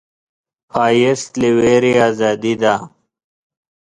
ښایست له ویرې ازادي ده